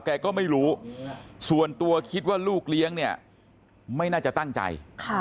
แกก็ไม่รู้ส่วนตัวคิดว่าลูกเลี้ยงเนี่ยไม่น่าจะตั้งใจ